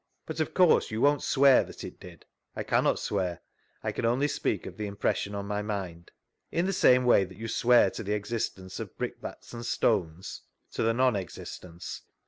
But of course you won't swear that it did? ~I cannot swear ; I can only speak to the impressioD on my mind. In the same way that you swear to the existence of brickbats and stones? — To the non existence.